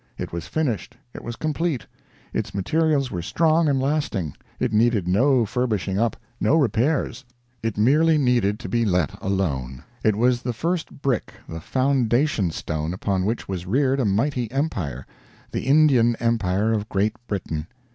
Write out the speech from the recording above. It was finished, it was complete, its materials were strong and lasting, it needed no furbishing up, no repairs; it merely needed to be let alone. It was the first brick, the Foundation Stone, upon which was reared a mighty Empire the Indian Empire of Great Britain.